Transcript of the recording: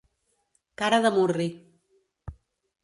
Cara de murri.